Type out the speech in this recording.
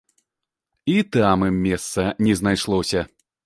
І там ім месца не знайшлося.